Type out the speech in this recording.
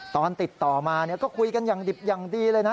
ตอนติดต่อมาก็คุยกันอย่างดิบอย่างดีเลยนะ